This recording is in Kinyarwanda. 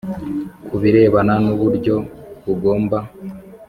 Ku birebana n uburyo bugomba